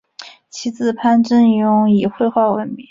其子潘振镛以绘画闻名。